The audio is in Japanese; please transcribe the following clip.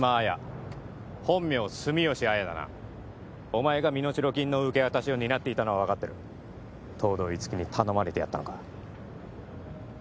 お前が身代金の受け渡しを担っていたのは分かってる東堂樹生に頼まれてやったのか？